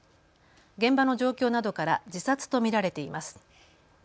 現場の状況などから自殺と見られています。